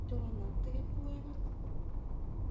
— Чыланак тыге пуэныт?